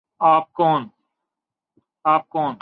آپ کون